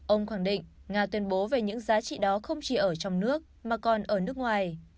ông khẳng định nga tuyên bố về những giá trị đó không chỉ ở trong nước mà còn ở nước ngoài